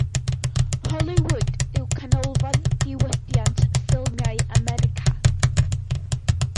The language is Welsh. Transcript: Hollywood yw canolfan diwydiant ffilmiau America.